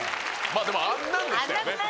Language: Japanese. でもあんなんでしたよね。